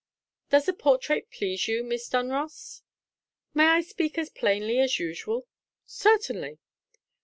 "Does the portrait please you, Miss Dunross?" "May I speak as plainly as usual?" "Certainly!"